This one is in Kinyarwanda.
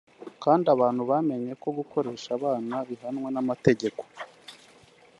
Kandi abantu bamenye ko gukoresha abana bihanwa n’amategeko